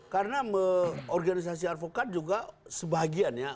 karena organisasi advokat juga sebagian ya